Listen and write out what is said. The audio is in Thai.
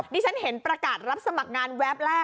ที่ฉันเห็นประกาศรับสมัครงานแวบแรก